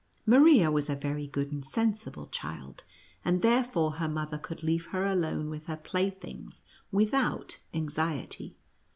Maria was a very good and sensible child, and therefore her mother could leave her alone with her play things without anxiety.